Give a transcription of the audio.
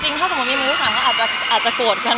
จริงถ้าสมมุติว่ามีมีที่๓ก็อาจจะโกรธกัน